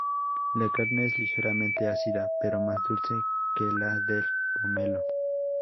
La carne es ligeramente ácida, pero más dulce que la del pomelo.